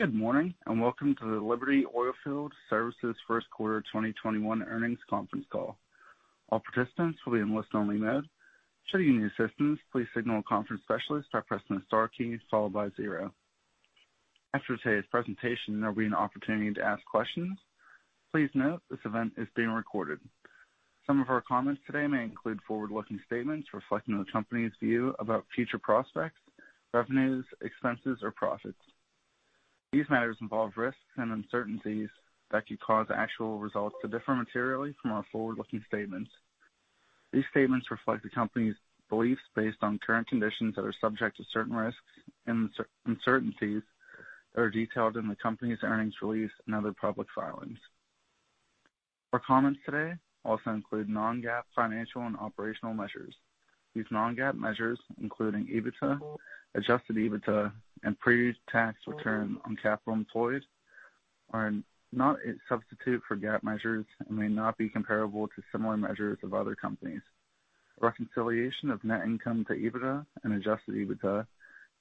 Some of our comments today may include forward-looking statements reflecting the company's view about future prospects, revenues, expenses, or profits. These matters involve risks and uncertainties that could cause actual results to differ materially from our forward-looking statements. These statements reflect the company's beliefs based on current conditions that are subject to certain risks and uncertainties that are detailed in the company's earnings release and other public filings. Our comments today also include non-GAAP financial and operational measures. These non-GAAP measures, including EBITDA, adjusted EBITDA, and pre-tax return on capital employed, are not a substitute for GAAP measures and may not be comparable to similar measures of other companies. A reconciliation of net income to EBITDA and adjusted EBITDA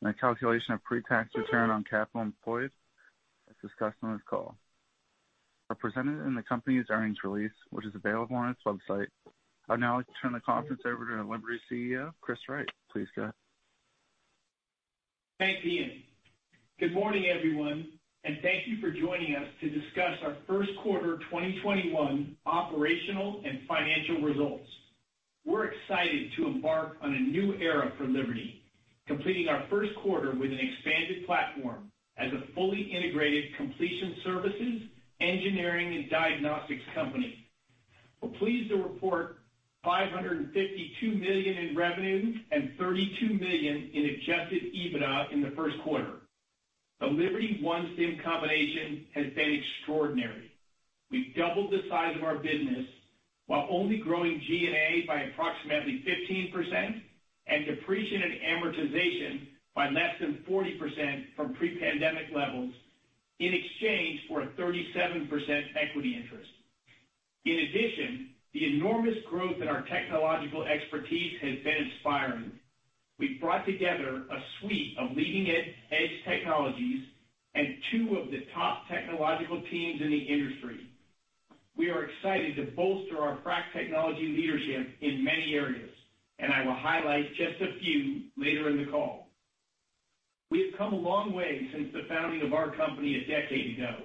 and a calculation of pre-tax return on capital employed is discussed on this call and presented in the company's earnings release, which is available on its website. I'd now like to turn the conference over to Liberty's CEO, Chris Wright. Please go ahead. Thanks, Ian. Good morning, everyone, and thank you for joining us to discuss our first quarter 2021 operational and financial results. We're excited to embark on a new era for Liberty, completing our first quarter with an expanded platform as a fully integrated completion services, engineering, and diagnostics company. We're pleased to report $552 million in revenue and $32 million in adjusted EBITDA in the first quarter. The Liberty-OneStim combination has been extraordinary. We've doubled the size of our business while only growing G&A by approximately 15% and depreciation and amortization by less than 40% from pre-pandemic levels in exchange for a 37% equity interest. In addition, the enormous growth in our technological expertise has been inspiring. We've brought together a suite of leading-edge technologies and two of the top technological teams in the industry. We are excited to bolster our frac technology leadership in many areas, and I will highlight just a few later in the call. We have come a long way since the founding of our company a decade ago.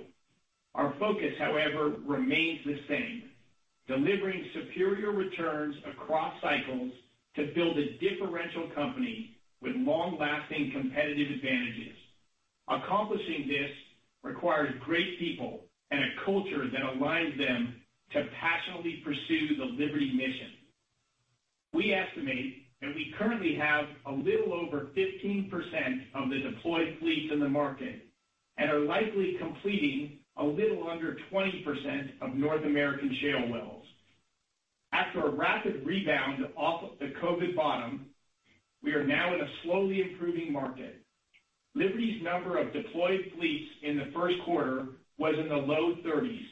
Our focus, however, remains the same: delivering superior returns across cycles to build a differential company with long-lasting competitive advantages. Accomplishing this requires great people and a culture that aligns them to passionately pursue the Liberty mission. We estimate that we currently have a little over 15% of the deployed fleets in the market and are likely completing a little under 20% of North American shale wells. After a rapid rebound off of the COVID bottom, we are now in a slowly improving market. Liberty's number of deployed fleets in the first quarter was in the low-30s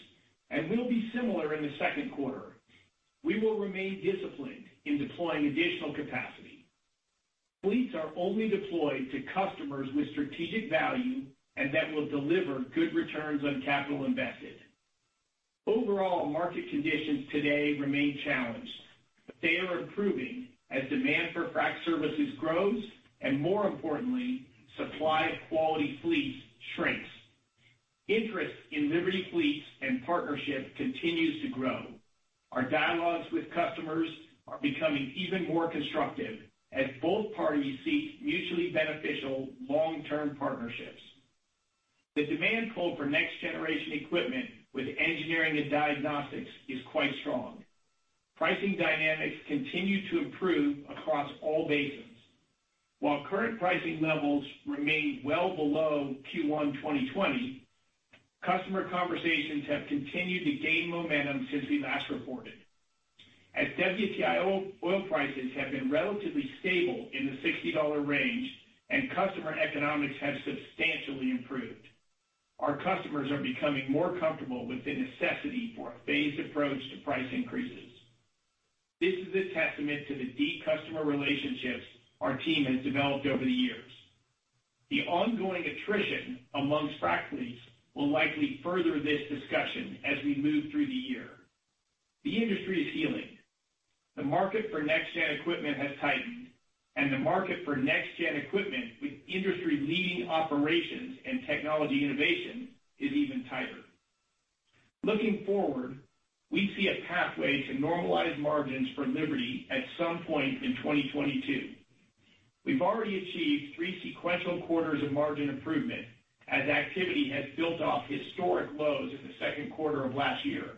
and will be similar in the second quarter. We will remain disciplined in deploying additional capacity. Fleets are only deployed to customers with strategic value and that will deliver good returns on capital invested. Overall market conditions today remain challenged, but they are improving as demand for frac services grows, and more importantly, supply of quality fleets shrinks. Interest in Liberty fleets and partnership continues to grow. Our dialogues with customers are becoming even more constructive as both parties seek mutually beneficial long-term partnerships. The demand pull for next-generation equipment with engineering and diagnostics is quite strong. Pricing dynamics continue to improve across all basins. While current pricing levels remain well below Q1 2020, customer conversations have continued to gain momentum since we last reported. As WTI oil prices have been relatively stable in the $60 range and customer economics have substantially improved, our customers are becoming more comfortable with the necessity for a phased approach to price increases. This is a testament to the deep customer relationships our team has developed over the years. The ongoing attrition amongst frac fleets will likely further this discussion as we move through the year. The industry is healing. The market for next-gen equipment has tightened, and the market for next-gen equipment with industry-leading operations and technology innovation is even tighter. Looking forward, we see a pathway to normalized margins for Liberty at some point in 2022. We've already achieved three sequential quarters of margin improvement as activity has built off historic lows in the second quarter of last year.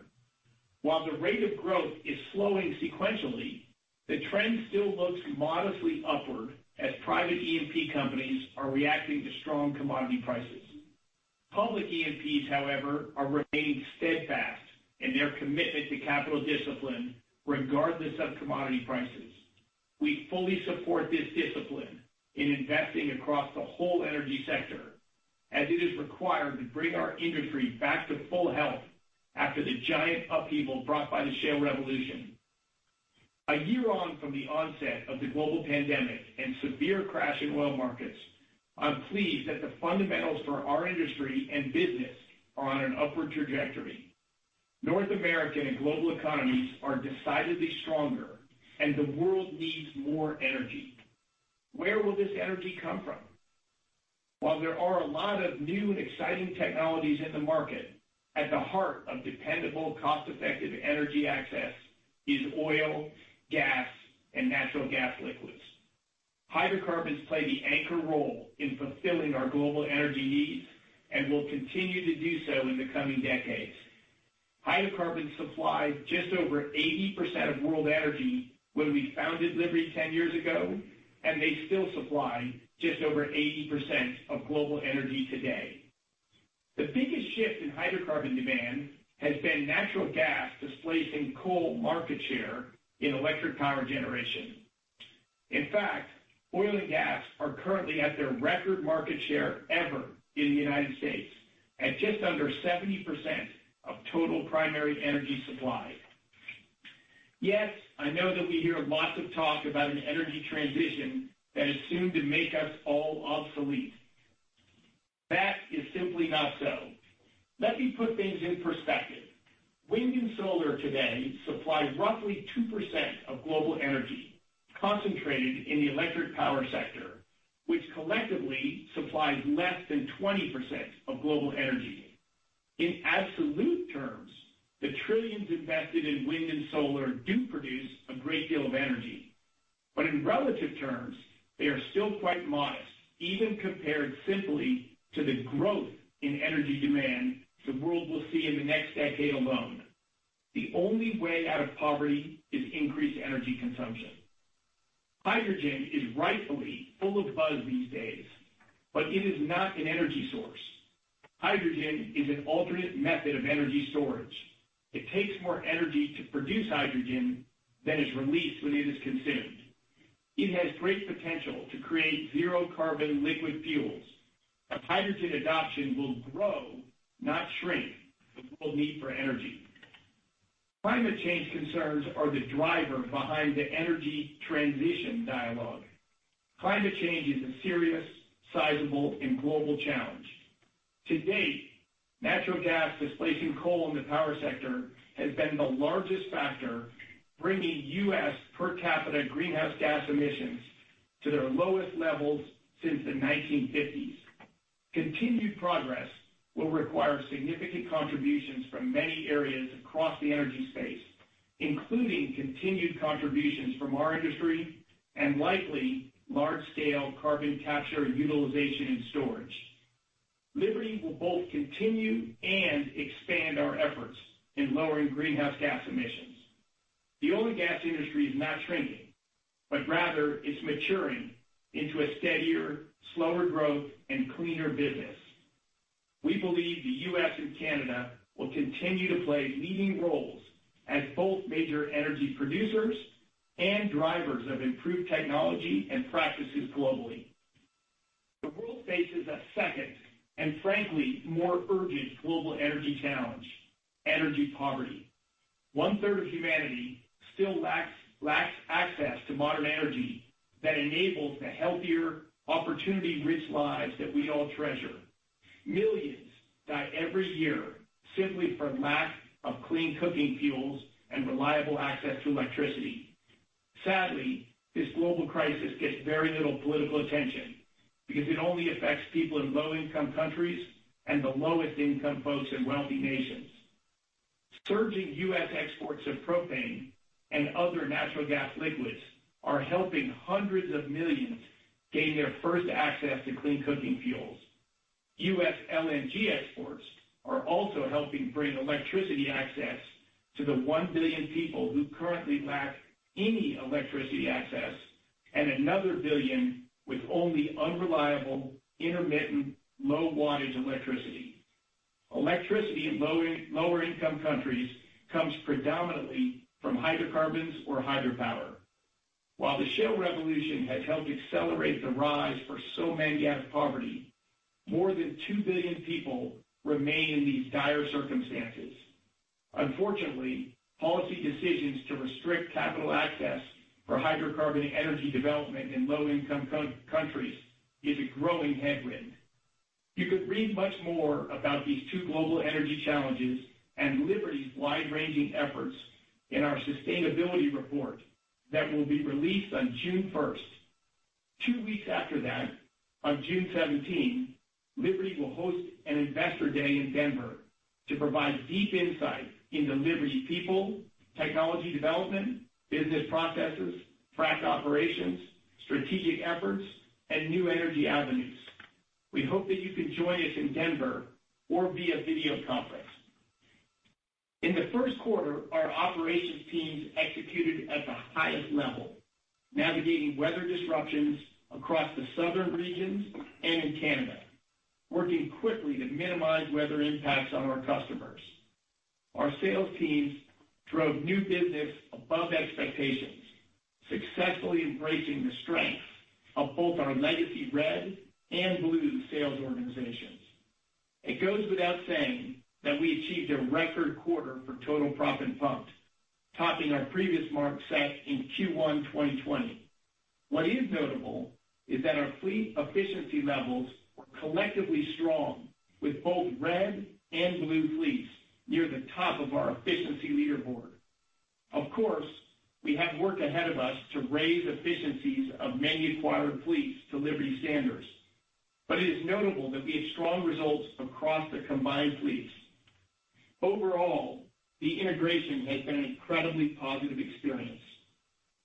While the rate of growth is slowing sequentially, the trend still looks modestly upward as private E&P companies are reacting to strong commodity prices. Public E&Ps, however, are remaining steadfast in their commitment to capital discipline regardless of commodity prices. We fully support this discipline in investing across the whole energy sector, as it is required to bring our industry back to full health after the giant upheaval brought by the shale revolution. A year on from the onset of the global pandemic and severe crash in oil markets, I'm pleased that the fundamentals for our industry and business are on an upward trajectory. North American and global economies are decidedly stronger and the world needs more energy. Where will this energy come from? While there are a lot of new and exciting technologies in the market, at the heart of dependable, cost-effective energy access is oil, gas, and natural gas liquids. Hydrocarbons play the anchor role in fulfilling our global energy needs and will continue to do so in the coming decades. Hydrocarbons supplied just over 80% of world energy when we founded Liberty 10 years ago, and they still supply just over 80% of global energy today. The biggest shift in hydrocarbon demand has been natural gas displacing coal market share in electric power generation. In fact, oil and gas are currently at their record market share ever in the U.S., at just under 70% of total primary energy supply. Yes, I know that we hear lots of talk about an energy transition that is soon to make us all obsolete. That is simply not so. Let me put things in perspective. Wind and solar today supply roughly 2% of global energy concentrated in the electric power sector, which collectively supplies less than 20% of global energy. In absolute terms, the trillions invested in wind and solar do produce a great deal of energy. In relative terms, they are still quite modest, even compared simply to the growth in energy demand the world will see in the next decade alone. The only way out of poverty is increased energy consumption. Hydrogen is rightfully full of buzz these days, but it is not an energy source. Hydrogen is an alternate method of energy storage. It takes more energy to produce hydrogen than is released when it is consumed. It has great potential to create zero carbon liquid fuels. Hydrogen adoption will grow, not shrink, the world need for energy. Climate change concerns are the driver behind the energy transition dialogue. Climate change is a serious, sizable, and global challenge. To date, natural gas displacing coal in the power sector has been the largest factor, bringing U.S. per capita greenhouse gas emissions to their lowest levels since the 1950s. Continued progress will require significant contributions from many areas across the energy space, including continued contributions from our industry and likely large-scale carbon capture utilization and storage. Liberty will both continue and expand our efforts in lowering greenhouse gas emissions. The oil and gas industry is not shrinking, but rather it's maturing into a steadier, slower growth, and cleaner business. We believe the U.S. and Canada will continue to play leading roles as both major energy producers and drivers of improved technology and practices globally. The world faces a second, and frankly, more urgent global energy challenge, energy poverty. One-third of humanity still lacks access to modern energy that enables the healthier opportunity-rich lives that we all treasure. Millions die every year simply for lack of clean cooking fuels and reliable access to electricity. Sadly, this global crisis gets very little political attention because it only affects people in low-income countries and the lowest income folks in wealthy nations. Surging U.S. exports of propane and other natural gas liquids are helping hundreds of millions gain their first access to clean cooking fuels. U.S. LNG exports are also helping bring electricity access to the 1 billion people who currently lack any electricity access, and another 1 billion with only unreliable, intermittent, low-wattage electricity. Electricity in lower-income countries comes predominantly from hydrocarbons or hydropower. While the shale revolution has helped accelerate the rise for so many out of poverty, more than 2 billion people remain in these dire circumstances. Unfortunately, policy decisions to restrict capital access for hydrocarbon energy development in low-income countries is a growing headwind. You could read much more about these two global energy challenges and Liberty's wide-ranging efforts in our sustainability report that will be released on June 1st. Two weeks after that, on June 17, Liberty will host an investor day in Denver to provide deep insight into Liberty people, technology development, business processes, frac operations, strategic efforts, and new energy avenues. We hope that you can join us in Denver or via video conference. In the first quarter, our operations teams executed at the highest level, navigating weather disruptions across the southern regions and in Canada, working quickly to minimize weather impacts on our customers. Our sales teams drove new business above expectations, successfully embracing the strength of both our legacy red and blue sales organizations. It goes without saying that we achieved a record quarter for total proppant pumped, topping our previous mark set in Q1 2020. What is notable is that our fleet efficiency levels were collectively strong with both red and blue fleets near the top of our efficiency leaderboard. Of course, we have work ahead of us to raise efficiencies of many acquired fleets to Liberty standards. It is notable that we have strong results across the combined fleets. Overall, the integration has been an incredibly positive experience.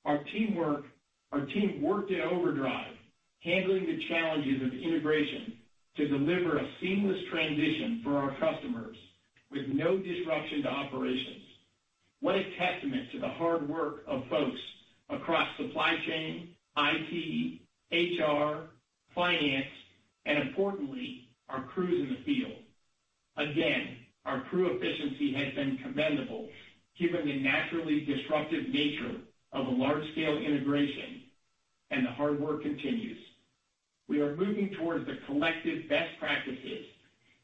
Our team worked in overdrive handling the challenges of integration to deliver a seamless transition for our customers with no disruption to operations. What a testament to the hard work of folks across supply chain, IT, HR, finance, and importantly, our crews in the field. Again, our crew efficiency has been commendable given the naturally disruptive nature of a large-scale integration, and the hard work continues. We are moving towards the collective best practices,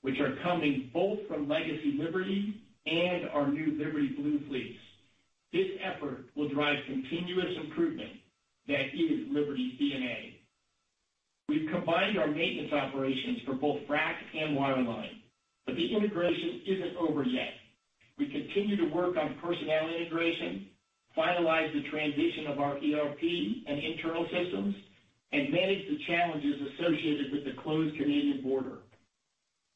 which are coming both from legacy Liberty and our new Liberty Blue fleets. This effort will drive continuous improvement that is Liberty's D&A. We've combined our maintenance operations for both frac and waterline, but the integration isn't over yet. We continue to work on personnel integration, finalize the transition of our ERP and internal systems, and manage the challenges associated with the closed Canadian border.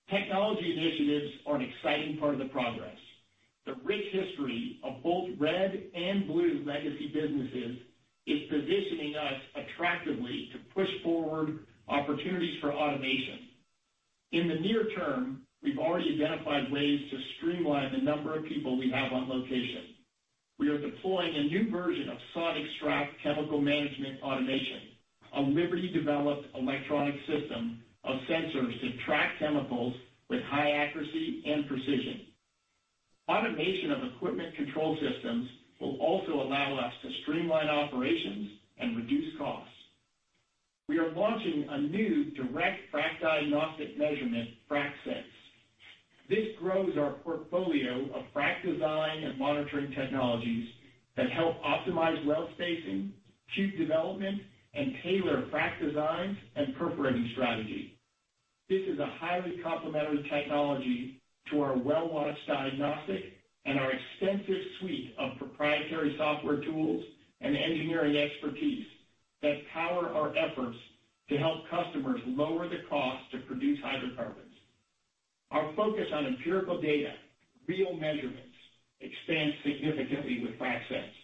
Technology initiatives are an exciting part of the progress. The rich history of both red and blue legacy businesses is positioning us attractively to push forward opportunities for automation. In the near term, we've already identified ways to streamline the number of people we have on location. We are deploying a new version of SonicStrap chemical management automation, a Liberty-developed electronic system of sensors to track chemicals with high accuracy and precision. Automation of equipment control systems will also allow us to streamline operations and reduce costs. We are launching a new direct frac diagnostic measurement, FracSense. This grows our portfolio of frac design and monitoring technologies that help optimize well spacing, shoot development, and tailor frac designs and perforating strategy. This is a highly complementary technology to our WellWatch diagnostic and our extensive suite of proprietary software tools and engineering expertise that power our efforts to help customers lower the cost to produce hydrocarbons. Our focus on empirical data, real measurements, expands significantly with FracSense.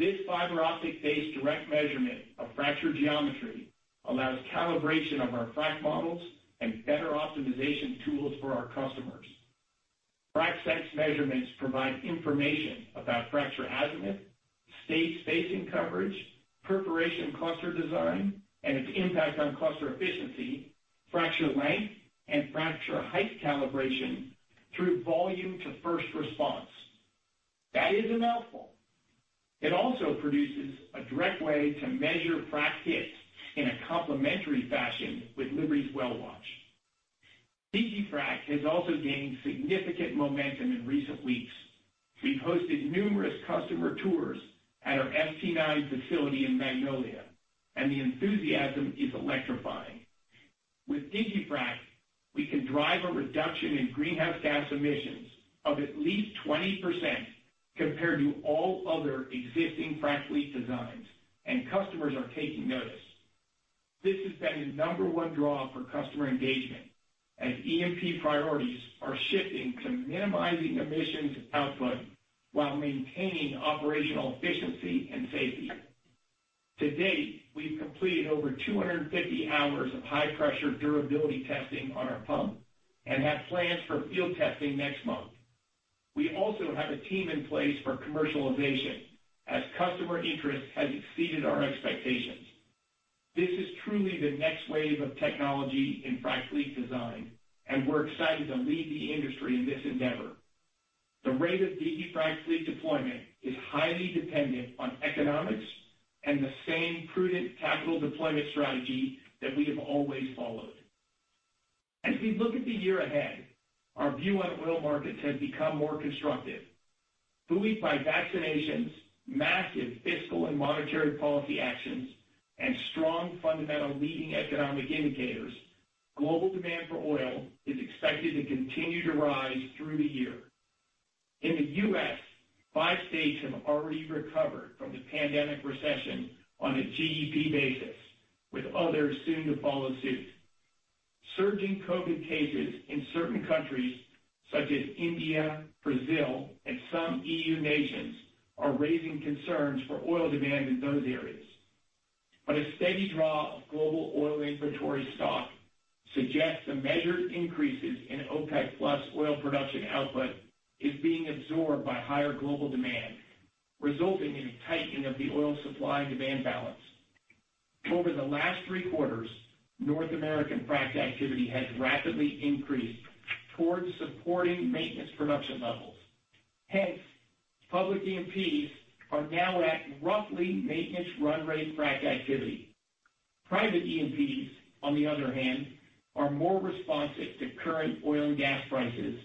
This fiber optic-based direct measurement of fracture geometry allows calibration of our frac models and better optimization tools for our customers. FracSense measurements provide information about fracture azimuth, stage spacing coverage, perforation cluster design, and its impact on cluster efficiency, fracture length, and fracture height calibration through volume to first response. That is a mouthful. It also produces a direct way to measure frac hits in a complementary fashion with Liberty's WellWatch. digiFrac has also gained significant momentum in recent weeks. We've hosted numerous customer tours at our ST9 facility in Magnolia, and the enthusiasm is electrifying. With digiFrac, we can drive a reduction in greenhouse gas emissions of at least 20% compared to all other existing frac fleet designs, and customers are taking notice. This has been the number one draw for customer engagement as E&P priorities are shifting to minimizing emissions output while maintaining operational efficiency and safety. To date, we've completed over 250 hours of high-pressure durability testing on our pump and have plans for field testing next month. We also have a team in place for commercialization as customer interest has exceeded our expectations. This is truly the next wave of technology in frac fleet design, and we're excited to lead the industry in this endeavor. The rate of digiFrac fleet deployment is highly dependent on economics and the same prudent capital deployment strategy that we have always followed. As we look at the year ahead, our view on oil markets has become more constructive. Buoyed by vaccinations, massive fiscal and monetary policy actions, and strong fundamental leading economic indicators, global demand for oil is expected to continue to rise through the year. In the U.S., five states have already recovered from the pandemic recession on a GDP basis, with others soon to follow suit. Surging COVID cases in certain countries such as India, Brazil, and some EU nations are raising concerns for oil demand in those areas. A steady draw of global oil inventory stock suggests the measured increases in OPEC+ oil production output is being absorbed by higher global demand, resulting in a tightening of the oil supply and demand balance. Over the last three quarters, North American frac activity has rapidly increased towards supporting maintenance production levels. Hence, public E&Ps are now at roughly maintenance run rate frac activity. Private E&Ps, on the other hand, are more responsive to current oil and gas prices,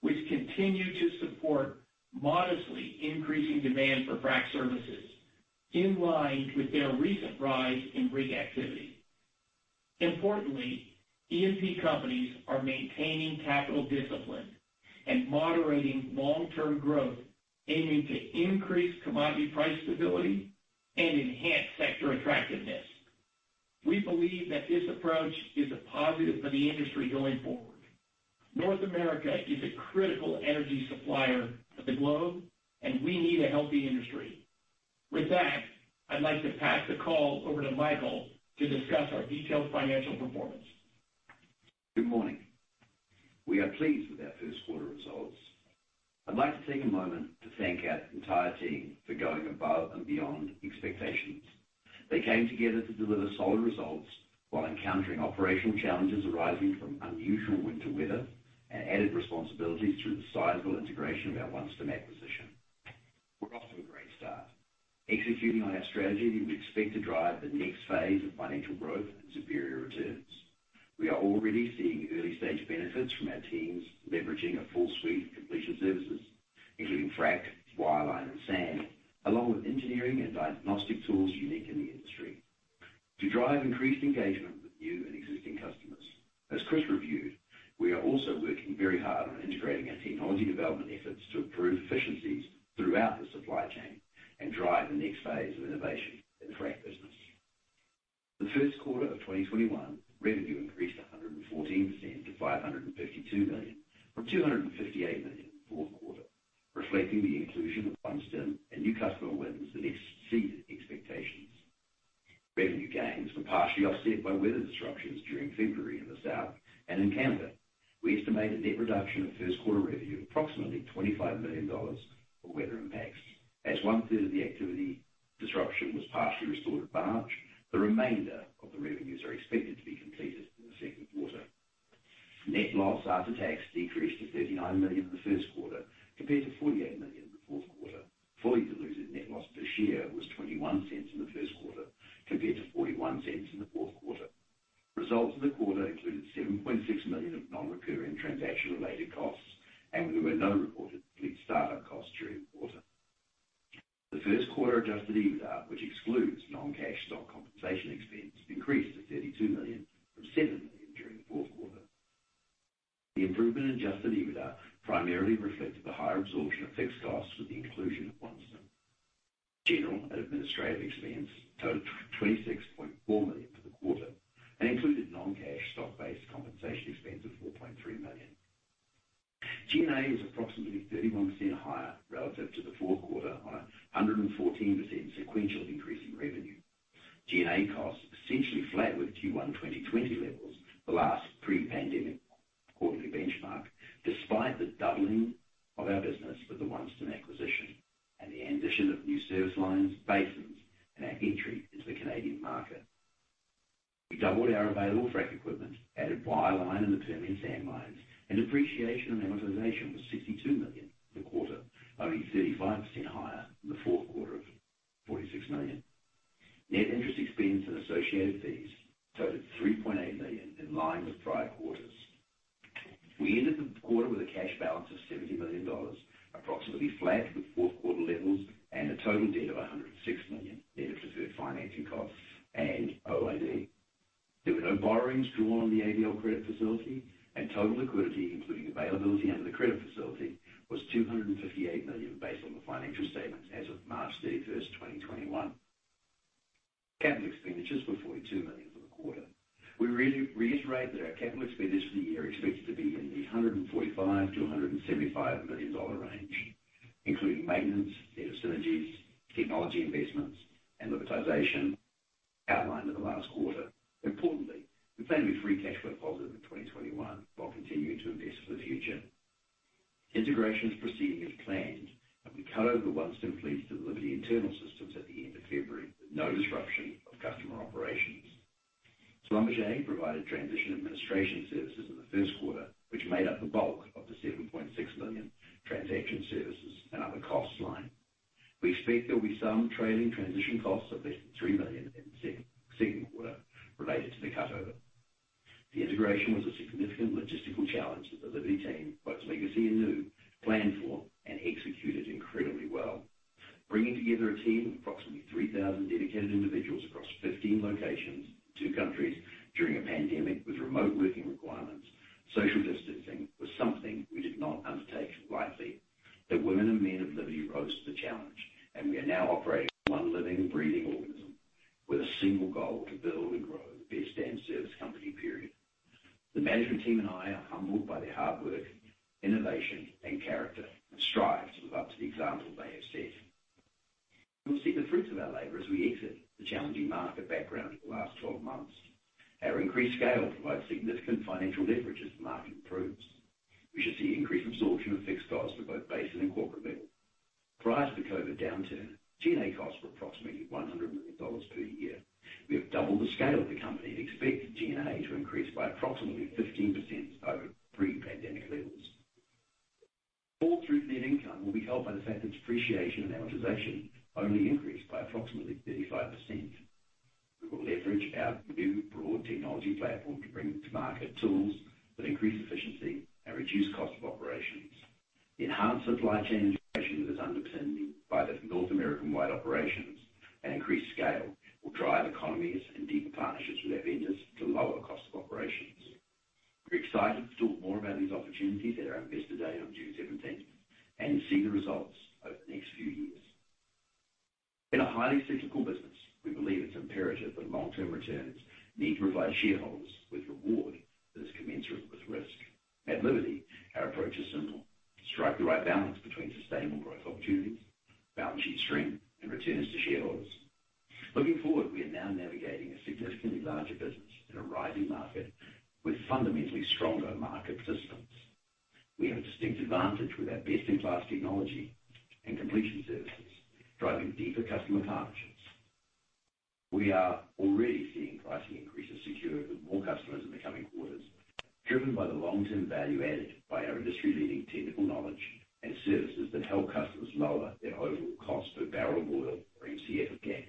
which continue to support modestly increasing demand for frac services in line with their recent rise in rig activity. Importantly, E&P companies are maintaining capital discipline and moderating long-term growth, aiming to increase commodity price stability and enhance sector attractiveness. We believe that this approach is a positive for the industry going forward. North America is a critical energy supplier to the globe, and we need a healthy industry. With that, I'd like to pass the call over to Michael to discuss our detailed financial performance. Good morning. We are pleased with our first quarter results. I'd like to take a moment to thank our entire team for going above and beyond expectations. They came together to deliver solid results while encountering operational challenges arising from unusual winter weather and added responsibilities through the sizable integration of our OneStim acquisition. We're off to a great start. Executing on our strategy, we expect to drive the next phase of financial growth and superior returns. We are already seeing early-stage benefits from our teams leveraging a full suite of completion services, including frac, wireline, and sand, along with engineering and diagnostic tools unique in the industry to drive increased engagement with new and existing customers. As Chris reviewed, we are also working very hard on integrating our technology development efforts to improve efficiencies throughout the supply chain and drive the next phase of innovation in the frac business. The first quarter of 2021, revenue increased 114% to $552 million from $258 million in the fourth quarter, reflecting the inclusion of OneStim and new customer wins that exceeded expectations. Revenue gains were partially offset by weather disruptions during February in the South and in Canada. We estimate a net reduction of first quarter revenue of approximately $25 million for weather impacts. As one third of the activity disruption was partially restored by March, the remainder of the revenues are expected to be completed in the second quarter. Net loss after tax decreased to $39 million in the first quarter compared to $48 million in the fourth quarter. Fully dilutive net loss per share was $0.21 in the first quarter compared to $0.41 in the fourth quarter. Results for the quarter included $7.6 million of non-recurring transaction-related costs. There were no reported fleet startup costs during the quarter. The first quarter adjusted EBITDA, which excludes non-cash stock compensation expense, increased to $32 million from $7 million during the fourth quarter. The improvement in adjusted EBITDA primarily reflected the higher absorption of fixed costs with the inclusion of OneStim. General and administrative expense totaled $26.4 million Bringing together a team of approximately 3,000 dedicated individuals across 15 locations, two countries, during a pandemic with remote working requirements, social distancing, was something we did not undertake lightly. The women and men of Liberty rose to the challenge, and we are now operating as one living, breathing organism with a single goal: to build and grow the best damn service company, period. The management team and I are humbled by their hard work, innovation, and character, and strive to live up to the example they have set. We will see the fruits of our labor as we exit the challenging market background of the last 12 months. Our increased scale provides significant financial leverage as the market improves. We should see increased absorption of fixed costs at both base and incorporate levels. Prior to the COVID downturn, G&A costs were approximately $100 million per year. We have doubled the scale of the company and expect G&A to increase by approximately 15% over pre-pandemic levels. Flow-through net income will be helped by the fact that depreciation and amortization only increased by approximately 35%. We will leverage our new broad technology platform to bring to market tools that increase efficiency and reduce cost of operations. Enhanced supply chain integration is underpinned by the North American-wide operations and increased scale will drive economies and deeper partnerships with our vendors to lower cost of operations. We are excited to talk more about these opportunities at our Investor Day on June 17th and see the results over the next few years. In a highly cyclical business, we believe it is imperative that long-term returns need to provide shareholders with reward that is commensurate with risk. At Liberty, our approach is simple: strike the right balance between sustainable growth opportunities, balance sheet strength, and returns to shareholders. Looking forward, we are now navigating a significantly larger business in a rising market with fundamentally stronger market systems. We have a distinct advantage with our best-in-class technology and completion services, driving deeper customer partnerships. We are already seeing pricing increases secured with more customers in the coming quarters, driven by the long-term value added by our industry-leading technical knowledge and services that help customers lower their overall cost per barrel of oil or MCF of gas.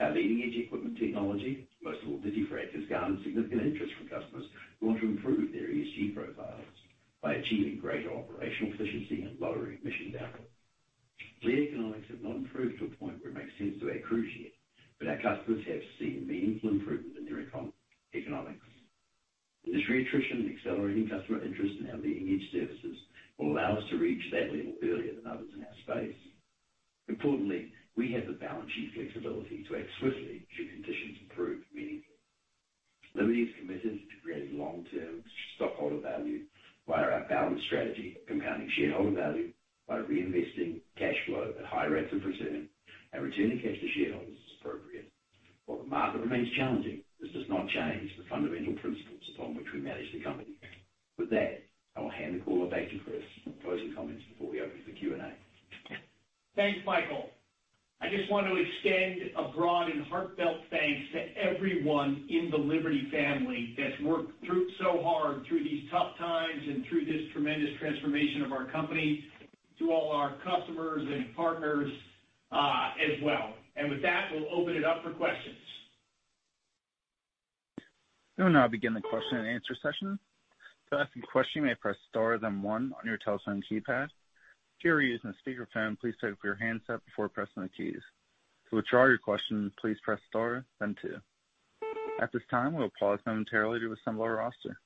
Our leading-edge equipment technology, most of all the digiFrac, has garnered significant interest from customers who want to improve their ESG profiles by achieving greater operational efficiency and lower emission output. The economics have not improved to a point where it makes sense to add crews yet, but our customers have seen meaningful improvement in their economics. Industry attrition and accelerating customer interest in our leading-edge services will allow us to reach that level earlier than others in our space. Importantly, we have the balance sheet flexibility to act swiftly should conditions improve meaningfully. Liberty is committed to creating long-term stockholder value via our balanced strategy of compounding shareholder value by reinvesting cash flow at high rates of return and returning cash to shareholders as appropriate. While the market remains challenging, this does not change the fundamental principles upon which we manage the company. With that, I will hand the call back to Chris for closing comments before we open for Q&A. Thanks, Michael. I just want to extend a broad and heartfelt thanks to everyone in the Liberty family that's worked so hard through these tough times and through this tremendous transformation of our company, to all our customers and partners as well. With that, we'll open it up for questions. We will now begin the question and answer session. To ask a question, you may press star then one on your telephone keypad. If you're using a speakerphone, please lift up your handset before pressing the keys. To withdraw your question, please press star then two. At this time, we will pause momentarily to assemble our roster.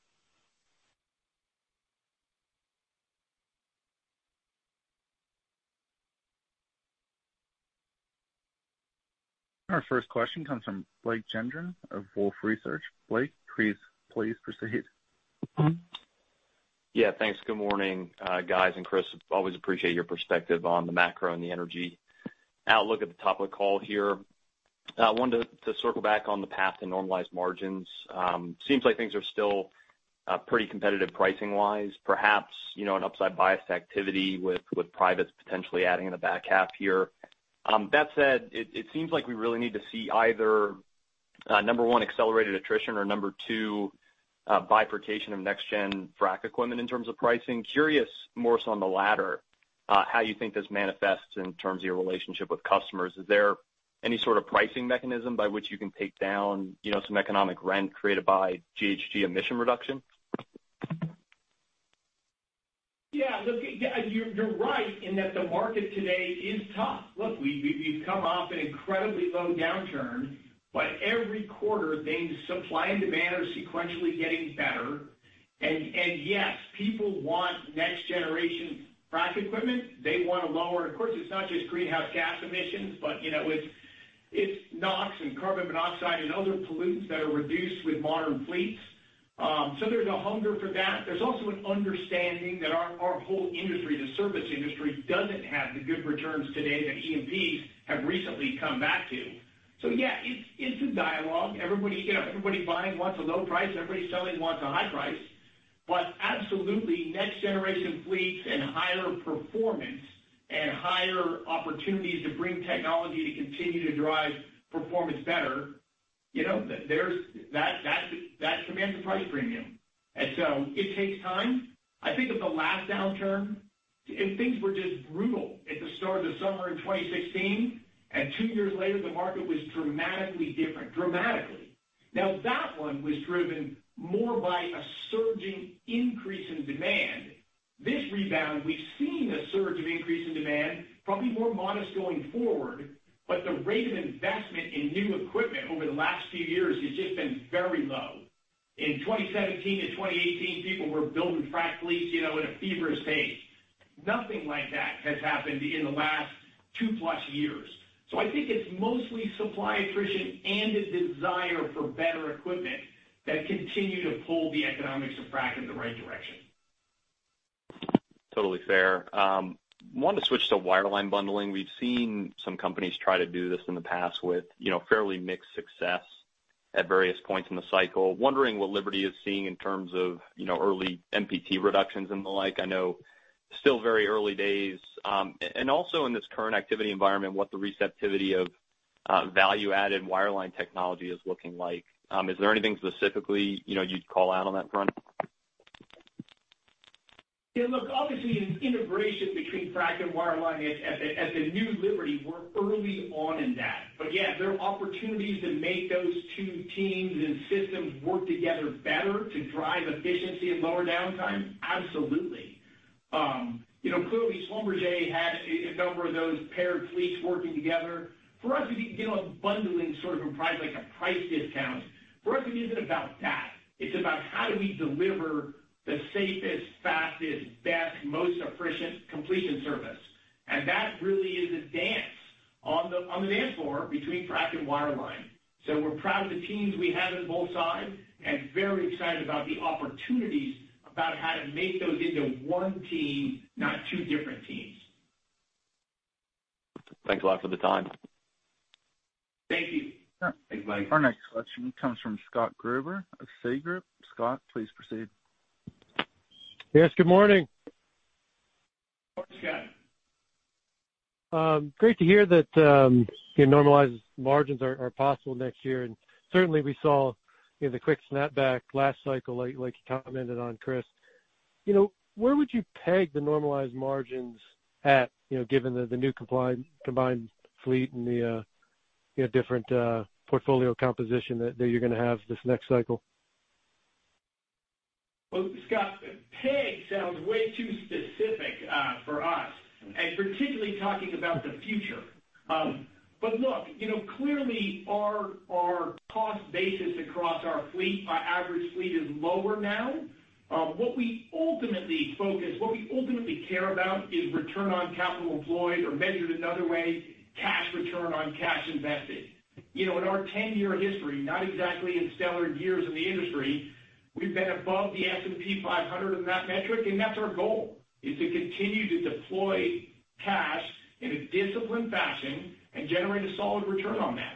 Our first question comes from Blake Gendron of Wolfe Research. Blake, please proceed. Yeah. Thanks. Good morning, guys, and Chris. Always appreciate your perspective on the macro and the energy outlook at the top of the call here. I wanted to circle back on the path to normalized margins. Seems like things are still pretty competitive pricing wise. Perhaps, an upside bias to activity with privates potentially adding in the back half here. That said, it seems like we really need to see either, number one, accelerated attrition or number two, bifurcation of next-gen frac equipment in terms of pricing. Curious more so on the latter, how you think this manifests in terms of your relationship with customers. Is there any sort of pricing mechanism by which you can take down some economic rent created by GHG emission reduction? You're right in that the market today is tough. We've come off an incredibly low downturn, but every quarter things, supply and demand are sequentially getting better. Yes, people want next generation frac equipment. They want to lower. Of course, it's not just greenhouse gas emissions, but it's NOx and carbon monoxide and other pollutants that are reduced with modern fleets. There's a hunger for that. There's also an understanding that our whole industry, the service industry, doesn't have the good returns today that E&Ps have recently come back to. Yeah, it's a dialogue. Everybody buying wants a low price. Everybody selling wants a high price. Absolutely, next generation fleets and higher performance and higher opportunities to bring technology to continue to drive performance better, that commands a price premium. It takes time. I think of the last downturn and things were just brutal at the start of the summer in 2016, and two years later, the market was dramatically different. Dramatically. That one was driven more by a surging increase in demand. This rebound, we've seen a surge of increase in demand, probably more modest going forward, but the rate of investment in new equipment over the last few years has just been very low. In 2017-2018, people were building frac fleets at a feverish pace. Nothing like that has happened in the last two-plus years. I think it's mostly supply attrition and a desire for better equipment that continue to pull the economics of frac in the right direction. Totally fair. Wanted to switch to wireline bundling. We've seen some companies try to do this in the past with fairly mixed success. At various points in the cycle. Wondering what Liberty is seeing in terms of early NPT reductions and the like. I know, still very early days. Also in this current activity environment, what the receptivity of value-added wireline technology is looking like. Is there anything specifically you'd call out on that front? Look, obviously, integration between frac and wireline as the new Liberty, we're early on in that. Yeah, there are opportunities to make those two teams and systems work together better to drive efficiency and lower downtime? Absolutely. Clearly, Schlumberger had a number of those paired fleets working together. For us, it is a bundling sort of a price, like a price discount. For us, it isn't about that. It's about how do we deliver the safest, fastest, best, most efficient completion service. That really is a dance on the dance floor between frac and wireline. We're proud of the teams we have on both sides and very excited about the opportunities about how to make those into one team, not two different teams. Thanks a lot for the time. Thank you. Thanks, Blake. Our next question comes from Scott Gruber of Citigroup. Scott, please proceed. Yes, good morning. Morning, Scott. Great to hear that normalized margins are possible next year. Certainly we saw the quick snapback last cycle, like you commented on, Chris. Where would you peg the normalized margins at given the new combined fleet and the different portfolio composition that you're going to have this next cycle? Well, Scott, peg sounds way too specific for us, and particularly talking about the future. Look, clearly our cost basis across our fleet, our average fleet is lower now. What we ultimately focus, what we ultimately care about is return on capital employed or measured another way, cash return on cash invested. In our 10-year history, not exactly in stellar years in the industry, we've been above the S&P 500 in that metric, and that's our goal, is to continue to deploy cash in a disciplined fashion and generate a solid return on that.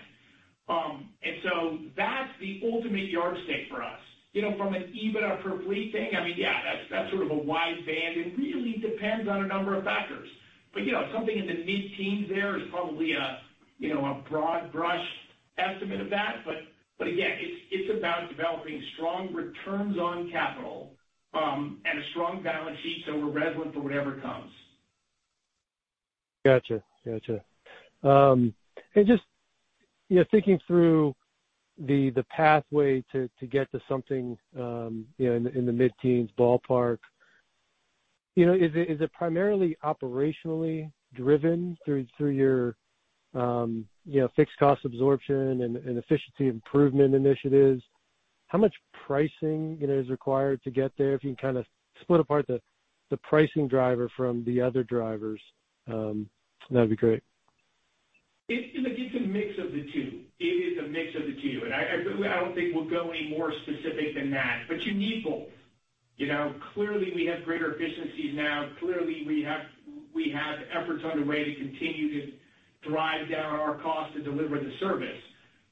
That's the ultimate yardstick for us. From an EBITDA per fleet thing, that's sort of a wide band. It really depends on a number of factors. Something in the mid-teens there is probably a broad brush estimate of that. Again, it's about developing strong returns on capital and a strong balance sheet so we're resilient for whatever comes. Got you. Just thinking through the pathway to get to something in the mid-teens ballpark. Is it primarily operationally driven through your fixed cost absorption and efficiency improvement initiatives? How much pricing is required to get there? If you can kind of split apart the pricing driver from the other drivers, that'd be great. It's a mix of the two. It is a mix of the two. I don't think we'll go any more specific than that. You need both. Clearly we have greater efficiencies now. Clearly we have efforts underway to continue to drive down our cost to deliver the service.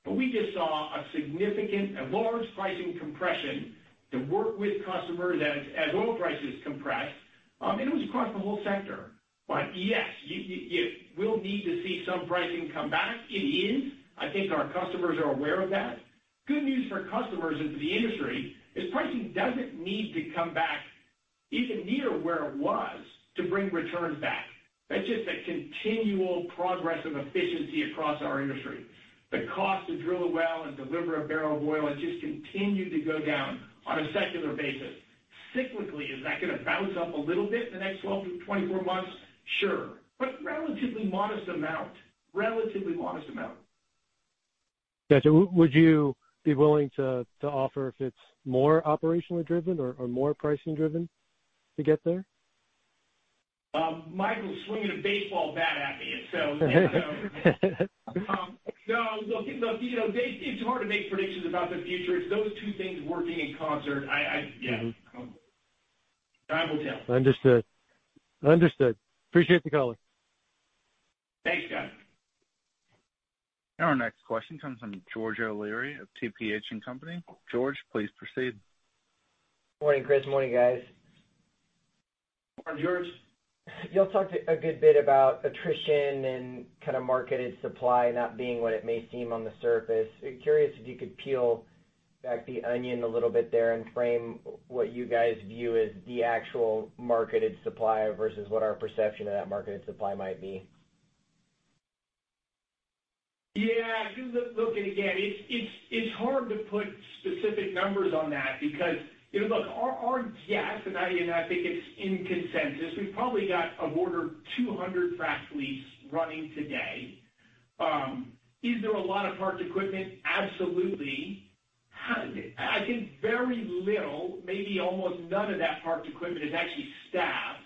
We just saw a significant, a large pricing compression to work with customers as oil prices compressed. It was across the whole sector. Yes, we'll need to see some pricing come back. It is. I think our customers are aware of that. Good news for customers into the industry is pricing doesn't need to come back even near where it was to bring returns back. That's just a continual progress of efficiency across our industry. The cost to drill a well and deliver a barrel of oil has just continued to go down on a secular basis. Cyclically, is that going to bounce up a little bit in the next 12-24 months? Sure. Relatively modest amount. Got you. Would you be willing to offer if it's more operationally driven or more pricing driven to get there? Michael's swinging a baseball bat at me. No, look, it's hard to make predictions about the future. It's those two things working in concert. I, yeah. Time will tell. Understood. Appreciate the call. Thanks, Scott. Our next question comes from George O'Leary of TPH & Co. George, please proceed. Morning, Chris. Morning, guys. Morning, George. You all talked a good bit about attrition and kind of marketed supply not being what it may seem on the surface. Curious if you could peel back the onion a little bit there and frame what you guys view as the actual marketed supply versus what our perception of that marketed supply might be. Yeah, look, again, it's hard to put specific numbers on that because, look, our guess, and I think it's in consensus, we've probably got of order 200 frac fleets running today. Is there a lot of parked equipment? Absolutely. I think very little, maybe almost none of that parked equipment is actually staffed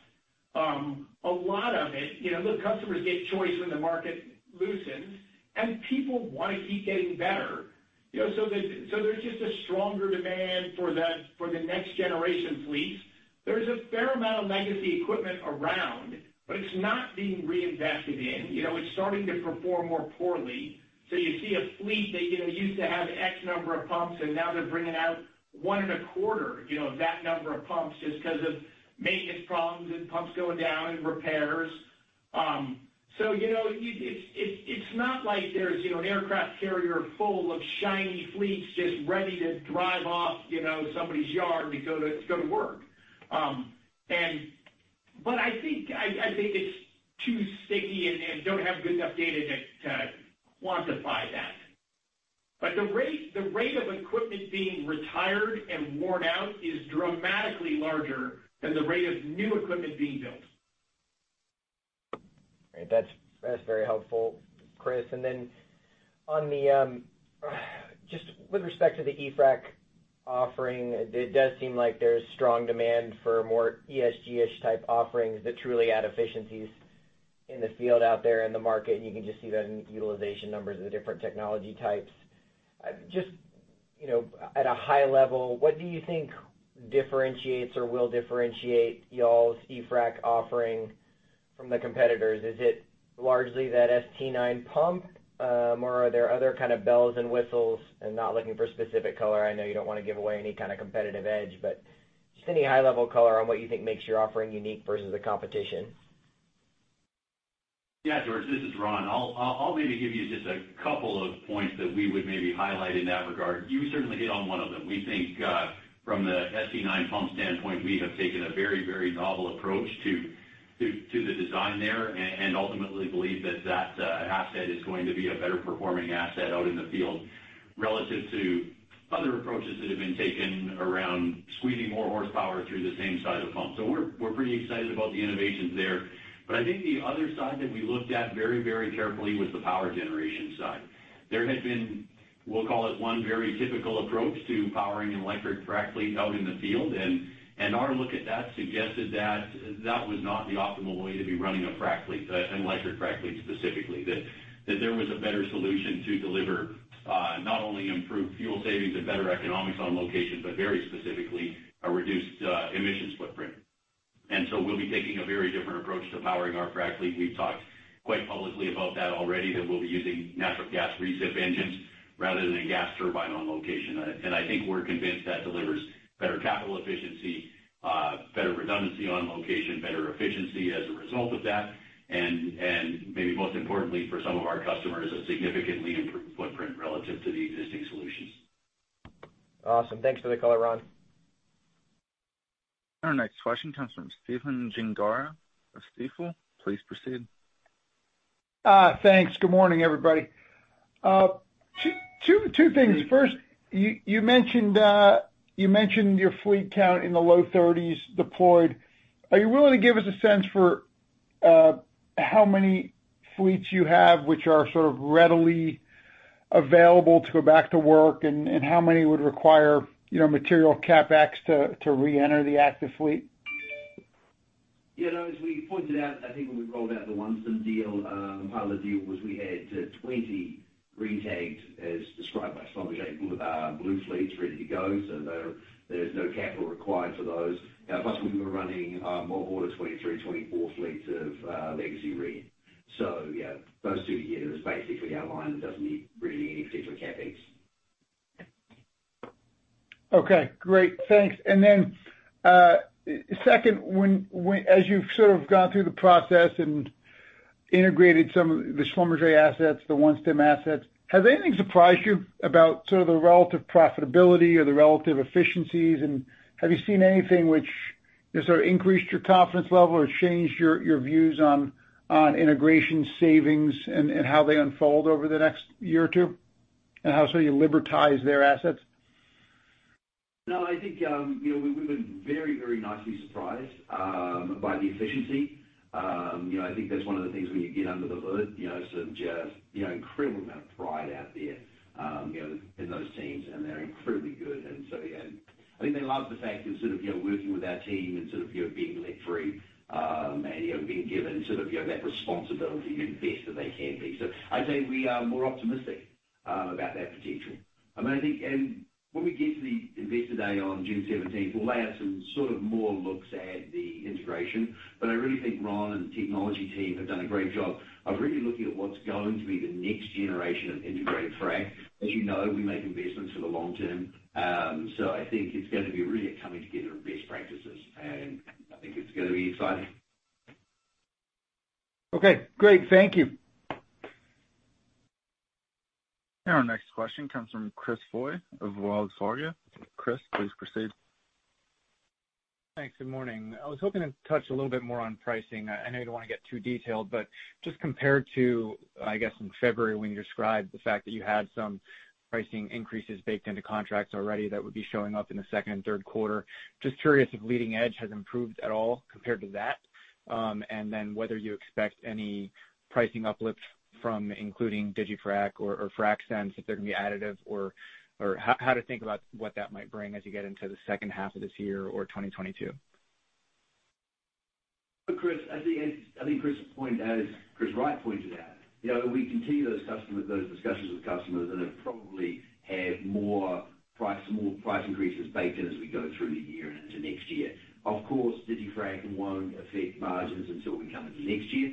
A lot of it, look, customers get choice when the market loosens, and people want to keep getting better. There's just a stronger demand for the next generation fleets. There's a fair amount of legacy equipment around, but it's not being reinvested in. It's starting to perform more poorly. You see a fleet that used to have X number of pumps, and now they're bringing out one in a quarter, that number of pumps, just because of maintenance problems and pumps going down and repairs. I think it's too sticky, and don't have good enough data to quantify that. The rate of equipment being retired and worn out is dramatically larger than the rate of new equipment being built. Right. That's very helpful, Chris. Just with respect to the e-frac offering, it does seem like there's strong demand for more ESG-ish type offerings that truly add efficiencies in the field out there in the market, and you can just see that in utilization numbers of the different technology types. Just at a high level, what do you think differentiates or will differentiate y'all's e-frac offering from the competitors? Is it largely that ST9 pump? Are there other kind of bells and whistles? Not looking for specific color. I know you don't want to give away any kind of competitive edge, but just any high level color on what you think makes your offering unique versus the competition. Yeah, George, this is Ron. I'll maybe give you just a couple of points that we would maybe highlight in that regard. You certainly hit on one of them. We think from the ST9 pump standpoint, we have taken a very novel approach to the design there, and ultimately believe that that asset is going to be a better performing asset out in the field relative to other approaches that have been taken around squeezing more horsepower through the same size of pump. We're pretty excited about the innovations there. I think the other side that we looked at very carefully was the power generation side. There had been, we'll call it one very typical approach to powering an electric frac fleet out in the field, and our look at that suggested that that was not the optimal way to be running a frac fleet, an electric frac fleet specifically. There was a better solution to deliver, not only improved fuel savings and better economics on location, but very specifically, a reduced emissions footprint. We'll be taking a very different approach to powering our frac fleet. We've talked quite publicly about that already, that we'll be using natural gas recip engines rather than a gas turbine on location. I think we're convinced that delivers better capital efficiency, better redundancy on location, better efficiency as a result of that, and maybe most importantly for some of our customers, a significantly improved footprint relative to the existing solutions. Awesome. Thanks for the color, Ron. Our next question comes from Stephen Gengaro of Stifel. Please proceed. Thanks. Good morning, everybody. Two things. First, you mentioned your fleet count in the low-30s deployed. Are you willing to give us a sense for how many fleets you have which are sort of readily available to go back to work, and how many would require material CapEx to reenter the active fleet? As we pointed out, I think when we rolled out the OneStim deal, part of the deal was we had 20 retagged, as described by Schlumberger, blue fleets ready to go. There's no capital required for those. Plus, we were running more toward a 23, 24 fleets of legacy red. Those two units basically outline it doesn't need really any additional CapEx. Okay, great. Thanks. Then, second, as you've sort of gone through the process and integrated some of the Schlumberger assets, the OneStim assets, has anything surprised you about sort of the relative profitability or the relative efficiencies? Have you seen anything which has sort of increased your confidence level or changed your views on integration savings and how they unfold over the next year or two, and how sort of you libertize their assets? No, I think we've been very nicely surprised by the efficiency. I think that's one of the things when you get under the hood, sort of just incredible amount of pride out there in those teams, and they're incredibly good. I think they love the fact of sort of working with our team and sort of being let free, and being given sort of that responsibility to be the best that they can be. I'd say we are more optimistic about their potential. When we get to the Investor Day on June 17th, we'll lay out some sort of more looks at the integration. I really think Ron and the technology team have done a great job of really looking at what's going to be the next generation of integrated frac. As you know, we make investments for the long term. I think it's going to be really a coming together of best practices, and I think it's going to be exciting. Okay, great. Thank you. Our next question comes from Chris Voie of Wells Fargo. Chris, please proceed. Thanks. Good morning. I was hoping to touch a little bit more on pricing. I know you don't want to get too detailed, but just compared to, I guess, in February when you described the fact that you had some pricing increases baked into contracts already that would be showing up in the second and third quarter, just curious if leading edge has improved at all compared to that. Whether you expect any pricing uplifts from including digiFrac or FracSense, if they're going to be additive, or how to think about what that might bring as you get into the second half of this year or 2022. Look, Chris, I think Chris Wright pointed out, we continue those discussions with customers and then probably have more price increases baked in as we go through the year and into next year. Of course, digiFrac won't affect margins until we come into next year.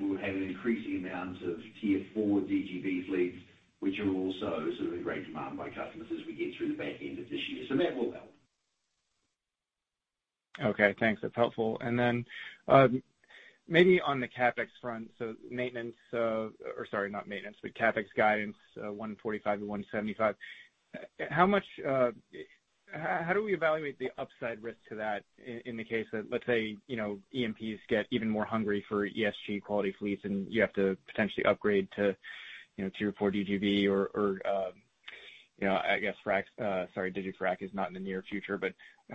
We'll have an increasing amount of Tier 4 DGB fleets, which are also in great demand by customers as we get through the back end of this year. So that will help. Okay, thanks. That's helpful. Then, maybe on the CapEx front, so maintenance, or sorry, not maintenance, but CapEx guidance, $145-$175. How do we evaluate the upside risk to that in the case that, let's say, E&Ps get even more hungry for ESG quality fleets and you have to potentially upgrade to Tier 4 DGB or, I guess, sorry, digiFrac is not in the near future.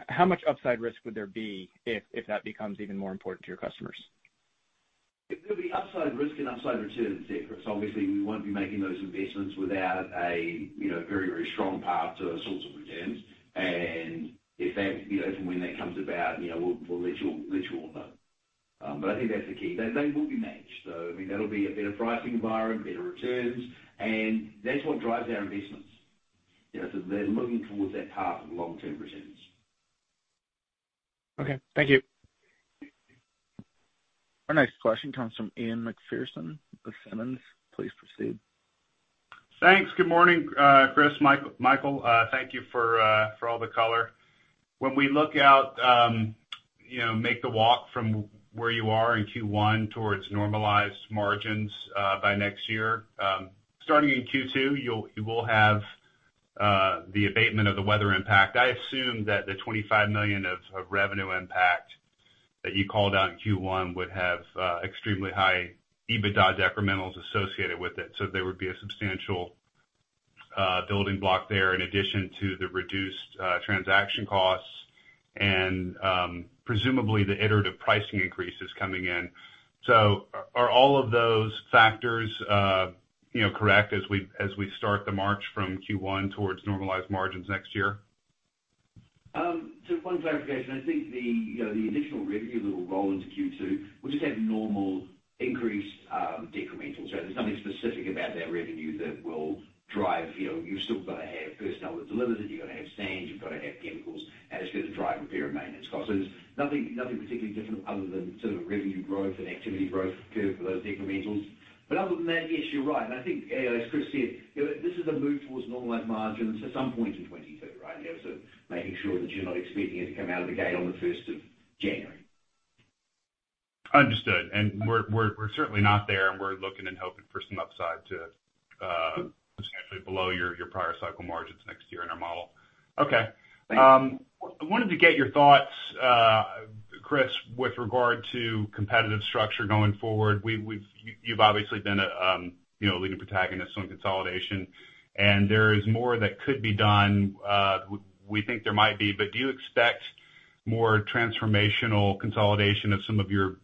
How much upside risk would there be if that becomes even more important to your customers? There'd be upside risk and upside returns there, Chris. Obviously, we won't be making those investments without a very strong path to those sorts of returns. When that comes about, we'll let you all know. I think that's the key. They will be managed. That'll be a better pricing environment, better returns, and that's what drives our investments. They're looking towards that path of long-term returns. Okay. Thank you. Our next question comes from Ian Macpherson with Simmons Energy. Please proceed. Thanks. Good morning, Chris, Michael. Thank you for all the color. When we look out, make the walk from where you are in Q1 towards normalized margins by next year. Starting in Q2, you will have the abatement of the weather impact. I assume that the $25 million of revenue impact that you called out in Q1 would have extremely high EBITDA decrementals associated with it. There would be a substantial building block there in addition to the reduced transaction costs and, presumably, the iterative pricing increases coming in. Are all of those factors correct as we start the march from Q1 towards normalized margins next year? One clarification. I think the additional revenue that will roll into Q2 will just have normal increased decrementals. There's nothing specific about that revenue that will drive, you've still got to have personnel that delivers it, you've got to have sand, you've got to have chemicals, and it's going to drive repair and maintenance costs. There's nothing particularly different other than sort of a revenue growth and activity growth curve for those decrementals. Other than that, yes, you're right. I think, as Chris Wright said, this is a move towards normalized margins at some point in 2023, right? Making sure that you're not expecting it to come out of the gate on the 1st of January. Understood. We're certainly not there, and we're looking and hoping for some upside to substantially below your prior cycle margins next year in our model. Okay. Thanks. I wanted to get your thoughts, Chris, with regard to competitive structure going forward. You've obviously been a leading protagonist on consolidation, and there is more that could be done. We think there might be, but do you expect more transformational consolidation of some of your,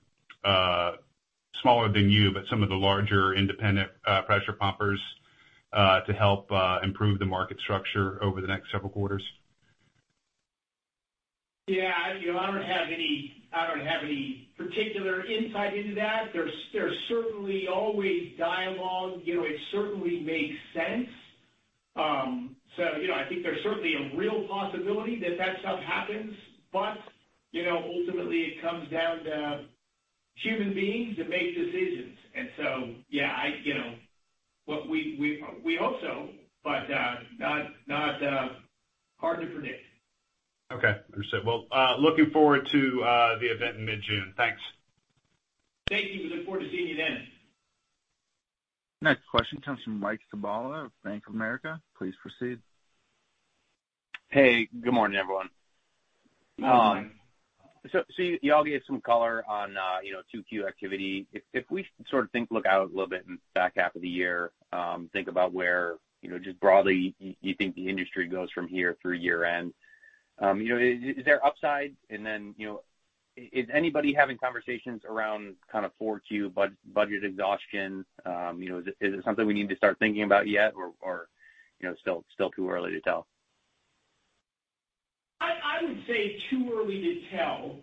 smaller than you, but some of the larger independent pressure pumpers to help improve the market structure over the next several quarters? Yeah. I don't have any particular insight into that. There's certainly always dialogue. It certainly makes sense. I think there's certainly a real possibility that stuff happens. Ultimately, it comes down to human beings that make decisions. Yeah, we hope so, but hard to predict. Okay. Understood. Well, looking forward to the event in mid-June. Thanks. Thank you. We look forward to seeing you then. Next question comes from Mike Sabella of Bank of America. Please proceed. Hey, good morning, everyone. Good morning. You all gave some color on 2Q activity. If we sort of look out a little bit in the back half of the year, think about where, just broadly, you think the industry goes from here through year-end. Is there upside? Is anybody having conversations around kind of 4Q budget exhaustion? Is it something we need to start thinking about yet? Still too early to tell? I would say too early to tell.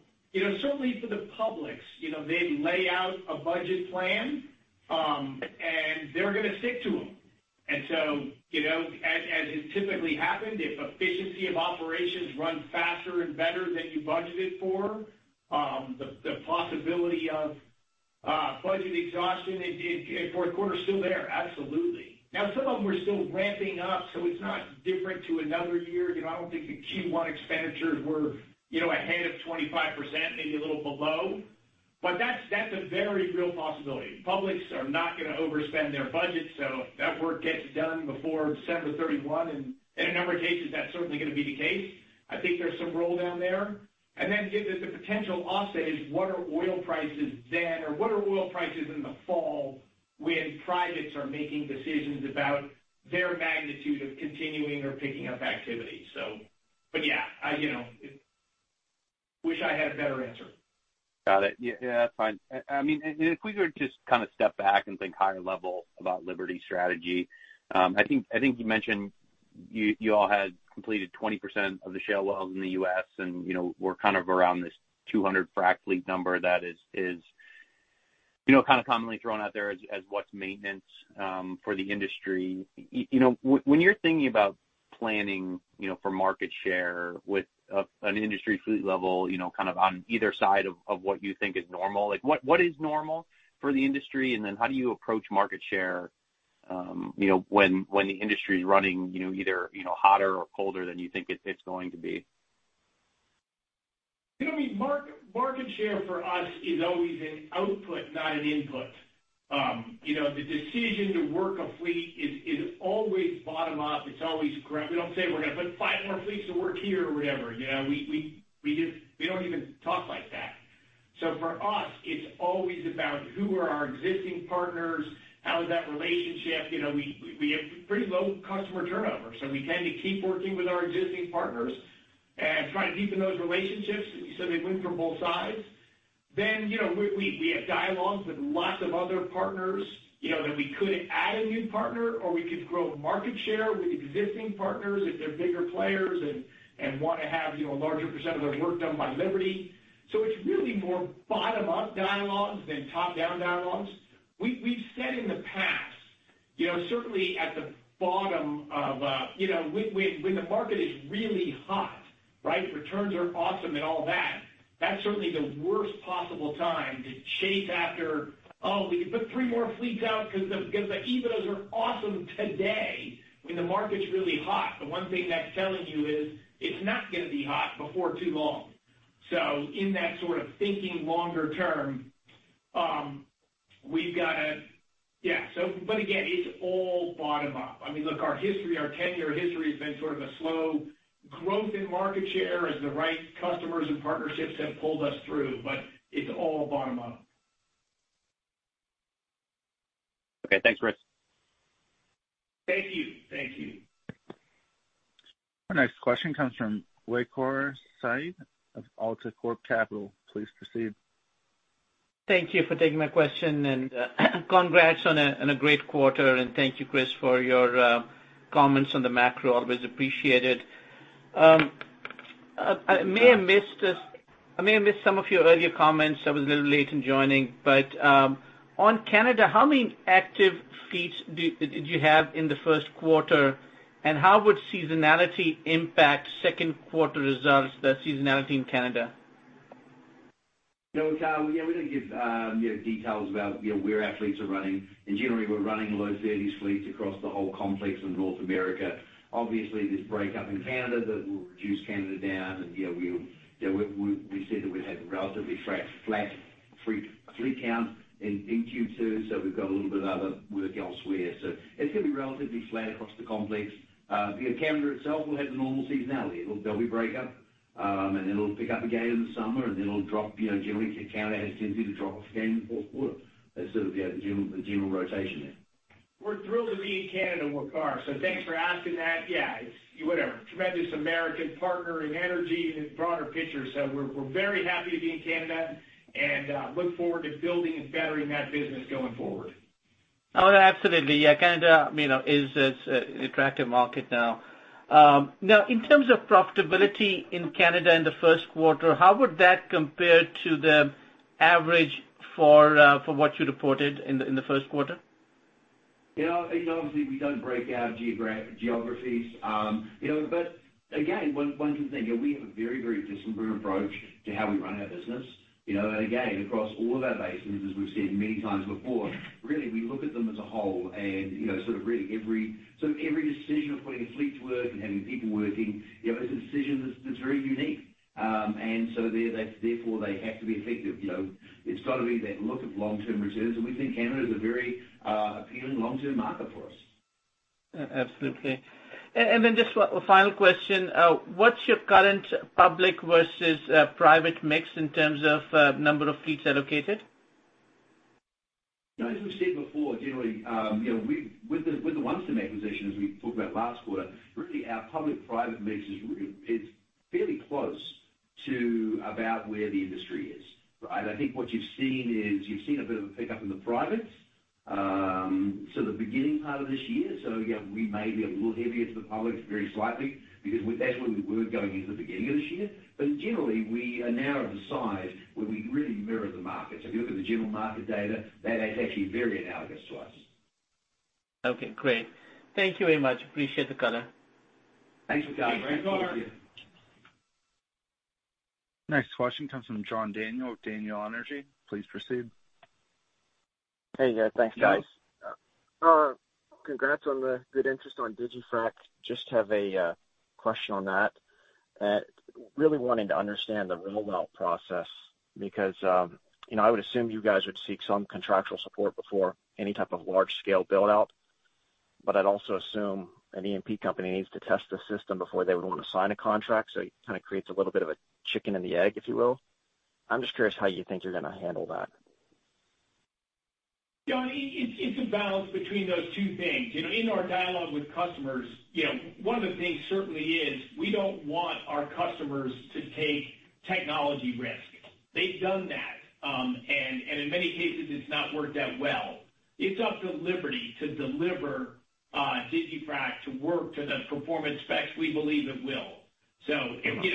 Certainly for the publics, they lay out a budget plan, and they're gonna stick to them. As has typically happened, if efficiency of operations runs faster and better than you budgeted for, the possibility of budget exhaustion in fourth quarter is still there, absolutely. Now, some of them are still ramping up, so it's not different to another year. I don't think the Q1 expenditures were ahead of 25%, maybe a little below. That's a very real possibility. Publics are not gonna overspend their budget, so if that work gets done before December 31, and in a number of cases, that's certainly gonna be the case. I think there's some roll down there. The potential offset is what are oil prices then, or what are oil prices in the fall when privates are making decisions about their magnitude of continuing or picking up activity? Yeah, wish I had a better answer. Got it. Yeah, that's fine. If we were to just kind of step back and think higher level about Liberty strategy, you all had completed 20% of the shale wells in the U.S. and we're around this 200 frac fleet number that is commonly thrown out there as what's maintenance for the industry. When you're thinking about planning for market share with an industry fleet level on either side of what you think is normal, what is normal for the industry, and then how do you approach market share when the industry's running either hotter or colder than you think it's going to be? Market share for us is always an output, not an input. The decision to work a fleet is always bottom up. It's always correct. We don't say we're going to put five more fleets to work here or whatever. We don't even talk like that. For us, it's always about who are our existing partners, how is that relationship? We have pretty low customer turnover, so we tend to keep working with our existing partners and try to deepen those relationships so they win from both sides. We have dialogues with lots of other partners, that we could add a new partner, or we could grow market share with existing partners if they're bigger players and want to have a larger percent of their work done by Liberty. It's really more bottom-up dialogues than top-down dialogues. We've said in the past, certainly at the bottom when the market is really hot, right, returns are awesome and all that's certainly the worst possible time to chase after, "Oh, we could put three more fleets out," because even those are awesome today when the market's really hot. The one thing that's telling you is it's not going to be hot before too long. in that sort of thinking longer term, we've got to Yeah. again, it's all bottom up. Look, our tenure history's been sort of a slow growth in market share as the right customers and partnerships have pulled us through. it's all bottom up. Okay. Thanks, Chris. Thank you. Our next question comes from Waqar Syed of AltaCorp Capital. Please proceed. Thank you for taking my question and congrats on a great quarter and thank you, Chris, for your comments on the macro. Always appreciated. I may have missed some of your earlier comments. I was a little late in joining. On Canada, how many active fleets did you have in the first quarter, and how would seasonality impact second quarter results, the seasonality in Canada? Waqar, we don't give details about where our fleets are running. In January, we're running low-30 fleets across the whole complex in North America. Obviously, this breakup in Canada that will reduce Canada down, and we said that we'd have relatively flat fleet count in Q2. We've got a little bit of other work elsewhere. It's going to be relatively flat across the complex. Canada itself will have the normal seasonality. There'll be breakup, and it'll pick up again in the summer, and it'll drop. Generally, Canada has a tendency to drop off again in the fourth quarter. That's sort of the general rotation there. We're thrilled to be in Canada, Waqar. Thanks for asking that. Yeah, whatever. Tremendous American partner in energy in the broader picture. We're very happy to be in Canada and look forward to building and bettering that business going forward. Oh, absolutely. Yeah. Canada is an attractive market now. In terms of profitability in Canada in the first quarter, how would that compare to the average for what you reported in the first quarter? Obviously, we don't break out geographies. Again, one good thing, we have a very disciplined approach to how we run our business. Again, across all of our basins, as we've said many times before, really, we look at them as a whole and sort of really every decision of putting a fleet to work and having people working, it's a decision that's very unique. Therefore, they have to be effective. It's got to be that look of long-term returns. We think Canada is a very appealing long-term market for us. Absolutely. Just a final question. What's your current public versus private mix in terms of number of fleets allocated? As we've said before, generally, with the OneStim acquisition, as we talked about last quarter, really our public/private mix is fairly close to about where the industry is, right? I think what you've seen is you've seen a bit of a pickup in the private, so the beginning part of this year. Again, we may be a little heavier to the public, very slightly, because that's where we were going into the beginning of this year. Generally, we are now of a size where we really mirror the market. If you look at the general market data, that is actually very analogous to us. Okay, great. Thank you very much. Appreciate the color. Thanks, Waqar. Thanks, Waqar. Next question comes from John Daniel of Daniel Energy. Please proceed. Hey, guys. Thanks, guys. Congrats on the good interest on digiFrac. Just have a question on that. Really wanting to understand the roll-out process because I would assume you guys would seek some contractual support before any type of large-scale build-out, but I'd also assume an E&P company needs to test the system before they would want to sign a contract. It kind of creates a little bit of a chicken and the egg, if you will. I'm just curious how you think you're going to handle that. John, it's a balance between those two things. In our dialogue with customers, one of the things certainly is we don't want our customers to take technology risk. They've done that. In many cases, it's not worked out well. It's up to Liberty to deliver digiFrac to work to the performance specs we believe it will. Okay.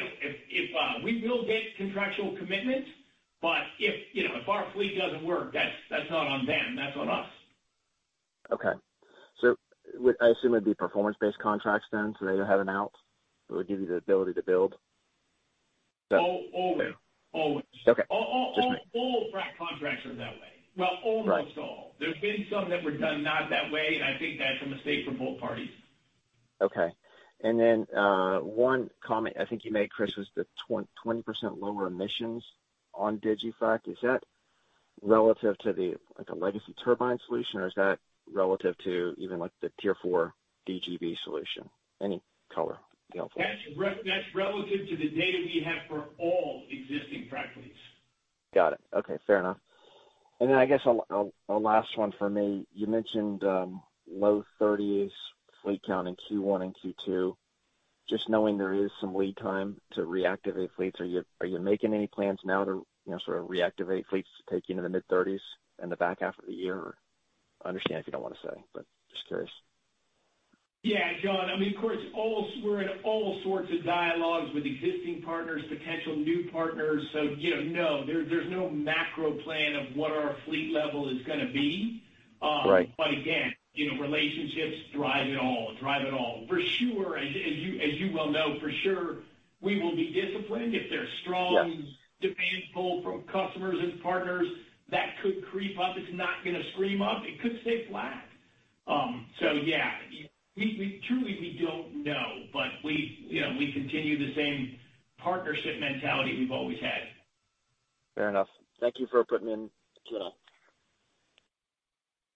We will get contractual commitments, but if our fleet doesn't work, that's not on them, that's on us. Okay. I assume it'd be performance-based contracts then, so they don't have an out, but it would give you the ability to build? Always. Okay. Just making sure. All frac contracts are that way. Well, almost all. Right. There's been some that were done not that way. I think that's a mistake for both parties. Okay. One comment I think you made, Chris, was the 20% lower emissions on digiFrac. Is that relative to the legacy turbine solution? Or is that relative to even the Tier 4 DGB solution? Any color would be helpful. That's relative to the data we have for all existing frac fleets. Got it. Okay, fair enough. I guess a last one from me. You mentioned low-30s fleet count in Q1 and Q2. Just knowing there is some lead time to reactivate fleets, are you making any plans now to sort of reactivate fleets to take you into the mid-30s in the back half of the year? I understand if you don't want to say, but just curious. Yeah, John. Of course, we're in all sorts of dialogues with existing partners, potential new partners. No, there's no macro plan of what our fleet level is going to be. Right. Again, relationships drive it all. For sure, as you well know, we will be disciplined- Yes. if there's strong demand pull from customers and partners that could creep up. It's not gonna scream up. It could stay flat. Yeah. Truly, we don't know, but we continue the same partnership mentality we've always had. Fair enough. Thank you for putting in, you know.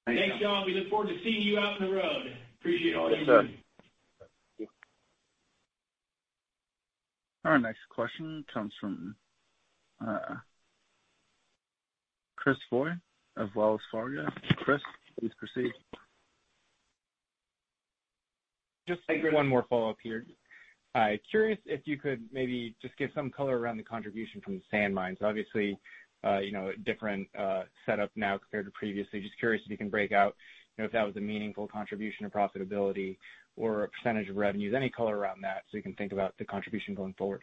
Thanks, John. We look forward to seeing you out on the road. Appreciate all you do. Yes, sir. Our next question comes from Chris Voie of Wells Fargo. Chris, please proceed. One more follow-up here. Curious if you could maybe just give some color around the contribution from the sand mines. Obviously, a different setup now compared to previously. Curious if you can break out if that was a meaningful contribution to profitability or a percentage of revenues, any color around that so we can think about the contribution going forward.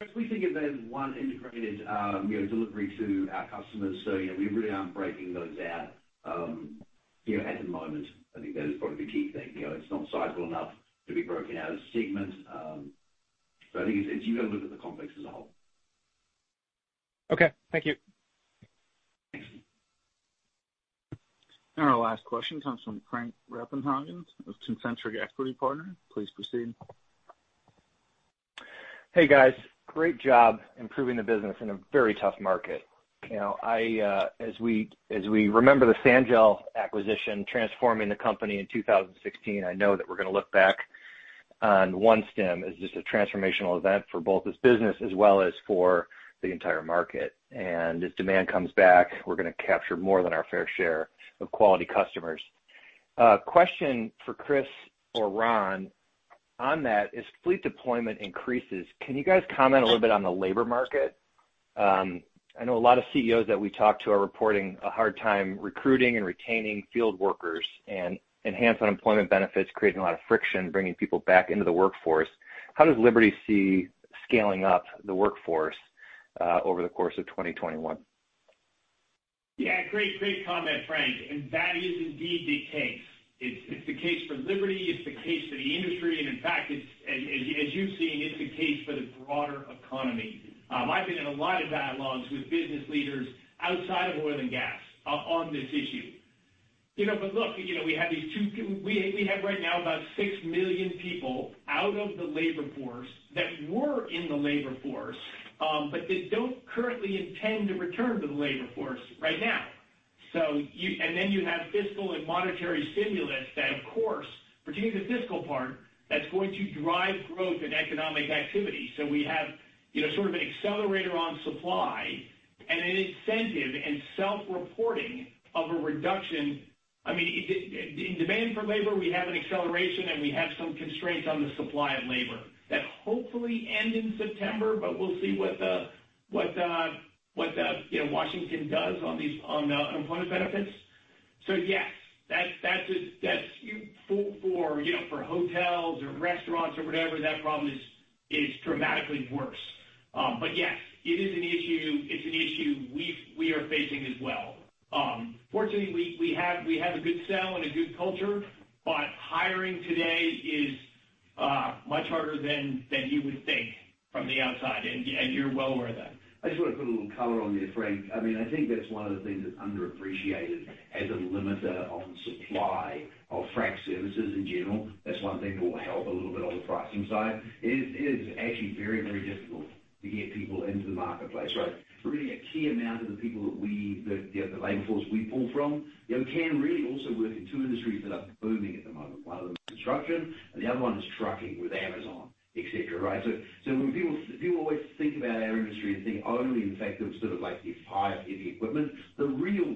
Chris, we think of that as one integrated delivery to our customers. We really aren't breaking those out at the moment. I think that is probably the key thing. It's not sizable enough to be broken out as a segment. I think it's you've got to look at the complex as a whole. Okay. Thank you. Thanks. Our last question comes from Frank Reppenhagen with Concentric Equity Partners. Please proceed. Hey, guys. Great job improving the business in a very tough market. As we remember the Sanjel acquisition transforming the company in 2016, I know that we're gonna look back on OneStim as just a transformational event for both this business as well as for the entire market. As demand comes back, we're gonna capture more than our fair share of quality customers. Question for Chris or Ron on that, as fleet deployment increases, can you guys comment a little bit on the labor market? I know a lot of CEOs that we talk to are reporting a hard time recruiting and retaining field workers, and enhanced unemployment benefits creating a lot of friction bringing people back into the workforce. How does Liberty see scaling up the workforce over the course of 2021? Yeah. Great comment, Frank. That is indeed the case. It's the case for Liberty, it's the case for the industry, and in fact, as you've seen, it's the case for the broader economy. I've been in a lot of dialogues with business leaders outside of oil and gas on this issue. Look, we have right now about 6 million people out of the labor force that were in the labor force, but that don't currently intend to return to the labor force right now. Then you have fiscal and monetary stimulus that, of course, particularly the fiscal part, that's going to drive growth in economic activity. We have sort of an accelerator on supply and an incentive in self-reporting of a reduction. In demand for labor, we have an acceleration, and we have some constraints on the supply of labor that hopefully end in September, but we'll see what Washington does on the unemployment benefits. Yes, for hotels or restaurants or whatever, that problem is dramatically worse. Yes, it is an issue. It's an issue we are facing as well. Fortunately, we have a good sell and a good culture, but hiring today is much harder than you would think from the outside, and you're well aware of that. I just want to put a little color on there, Frank. I think that's one of the things that's underappreciated as a limiter on supply of frac services in general. That's one thing that will help a little bit on the pricing side. It is actually very difficult to get people into the marketplace. Really, a key amount of the people that the labor force we pull from can really also work in two industries that are booming at the moment. One of them is construction, and the other one is trucking with Amazon, et cetera. When people always think about our industry and think only the fact that it's sort of like these five heavy equipment, the real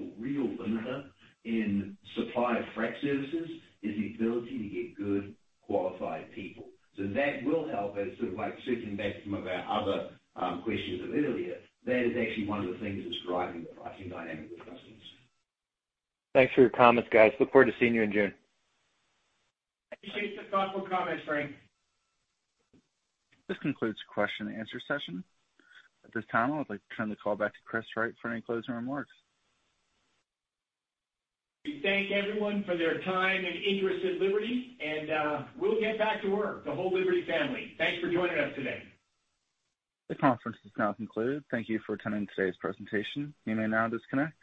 limiter in supply of frac services is the ability to get good qualified people. That will help as sort of like circling back to some of our other questions of earlier. That is actually one of the things that's driving the pricing dynamic with customers. Thanks for your comments, guys. Look forward to seeing you in June. Appreciate the thoughtful comments, Frank. This concludes the question and answer session. At this time, I would like to turn the call back to Chris Wright for any closing remarks. We thank everyone for their time and interest in Liberty, and we'll get back to work, the whole Liberty family. Thanks for joining us today. The conference is now concluded. Thank you for attending today's presentation. You may now disconnect.